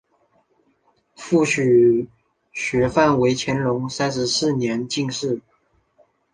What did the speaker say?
父许学范为乾隆三十七年进士。